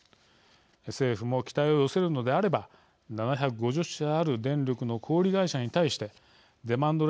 政府も期待を寄せるのであれば７５０社ある電力の小売会社に対してデマンド